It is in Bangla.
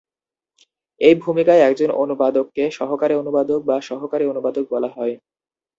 এই ভূমিকায় একজন অনুবাদককে "সহকারী অনুবাদক" বা "সহকারী অনুবাদক" বলা হয়।